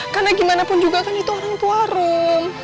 karena gimana pun juga kan itu orang tua rum